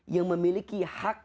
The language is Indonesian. yang memiliki hak